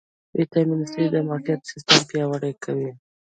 ویټامین سي د معافیت سیستم پیاوړی کوي